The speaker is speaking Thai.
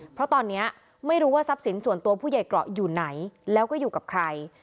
เพราะตอนนี้ไม่รู้ว่าทรัพย์สินส่วนตัวผู้ใหญ่เกราะอยู่ไหนแล้วก็อยู่กับใคร